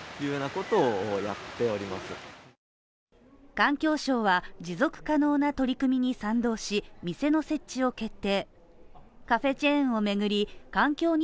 環境省は、持続可能な取り組みに賛同し、店の設置を決定。